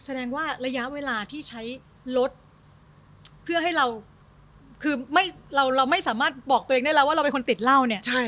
แสดงว่าระยะเวลาที่ใช้รถเพื่อให้เราคือไม่เราไม่สามารถบอกตัวเองได้แล้วว่าเราเป็นคนติดเหล้าเนี่ย